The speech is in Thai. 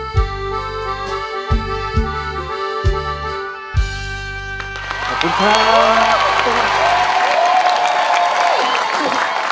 อย่าเพิ่งดัวละเมื่อเจอปัญหาใด